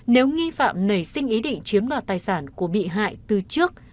nếu nghi phạm nảy sinh ý định chiếm đoạt tài sản của bị hại từ trước